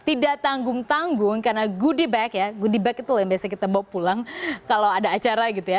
tidak tanggung tanggung karena goodie bag ya goodie bag itu yang biasa kita bawa pulang kalau ada acara gitu ya